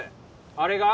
あれが？